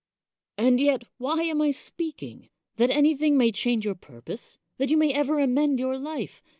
And yet, why am I speaking? That anything may change your purpose? that you may ever amend your life?